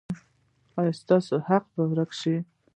ایا ستاسو حق به ورکړل شي؟